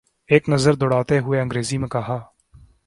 ایک نظر دوڑاتے ہوئے انگریزی میں کہا۔